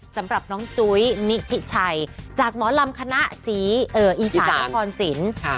สำหรับน้องจุ้ยนิทิชัยจากหมอลำคณะศรีอีสานนครสิน